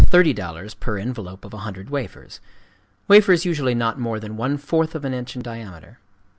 00 per envelope of 100 wafers—wafers usually not more than one fourth of an inch in diameter.